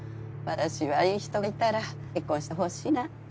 私はいい人がいたら結婚してほしいなって。